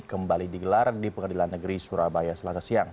kembali digelar di pengadilan negeri surabaya selasa siang